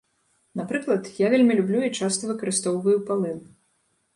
Напрыклад, я вельмі люблю і часта выкарыстоўваю палын.